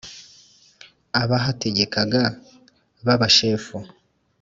abahategekaga b’abashefu